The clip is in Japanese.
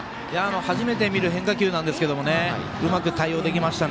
初めて見る変化球ですがうまく対応できました。